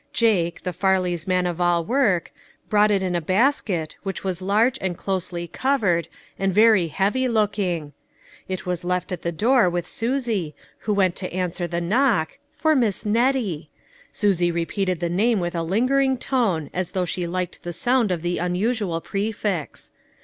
Jake, the Parleys' man of all work, brought it in a basket which was large and closely covered, and very heavy looking. It was left at the door with Susie, who went to answer the knock, " For Miss Nettie." Susie repeated the name with a lingering tone as though she liked the sound of the unusual prefix.